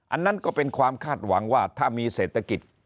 อันนั้นก็เป็นความคาดหวังว่าถ้ามีเศรษฐกิจ